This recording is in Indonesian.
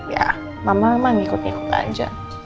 ya mama memang ikut ikut aja